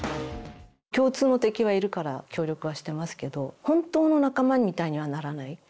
共通の敵はいるから協力はしてますけど本当の仲間みたいにはならない。